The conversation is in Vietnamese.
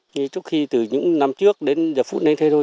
như trước khi từ những năm trước đến giờ phút này thế thôi